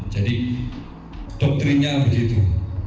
jadi doktrinya begitu